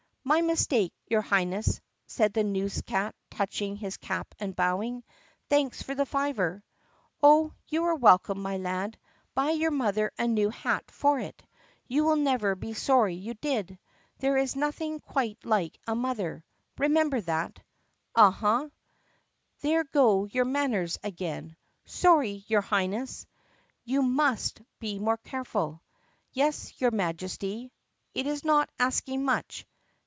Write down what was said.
"My mistake, your Highness," said the newscat touching his cap and bowing. "Thanks for the fiver." "Oh, you are welcome, my lad. Buy your mother a new hat for it. You will never be sorry you did. There is nothing quite like a mother. Remember that." "Uh huh." "There go your manners again." "Sorry, your Highness." "You must be more careful." "Yes, your Majesty." "It is not asking much."